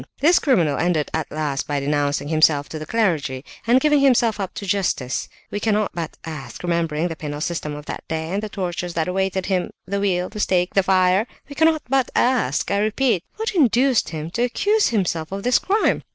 This criminal ended at last by denouncing himself to the clergy, and giving himself up to justice. We cannot but ask, remembering the penal system of that day, and the tortures that awaited him—the wheel, the stake, the fire!—we cannot but ask, I repeat, what induced him to accuse himself of this crime?